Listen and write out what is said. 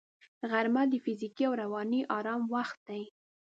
غرمه د فزیکي او رواني آرام وخت دی